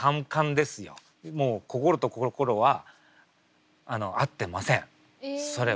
もう心と心は合ってませんそれは。